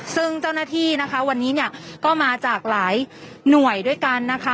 ซึ่งเจ้าหน้าที่นะคะวันนี้เนี่ยก็มาจากหลายหน่วยด้วยกันนะคะ